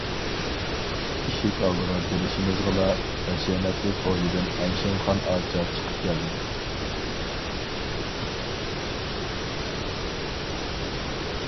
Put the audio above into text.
ئىشىك ئالدىغا بېرىشىمىزغىلا ھەشەمەتلىك ھويلىدىن ئايشەمخان ئاچا چىقىپ كەلدى.